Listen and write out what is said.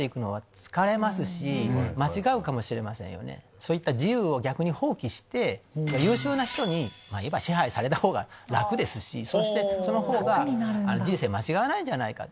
そういった自由を逆に放棄して優秀な人にいえば支配されたほうが楽ですしそしてそのほうが人生間違わないんじゃないかと。